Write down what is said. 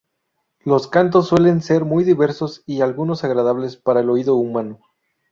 Los cantos suelen ser muy diversos y algunos agradables para el oído humano.